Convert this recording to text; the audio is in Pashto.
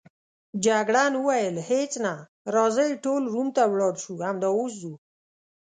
جګړن وویل: هیڅ نه، راځئ ټول روم ته ولاړ شو، همدا اوس ځو.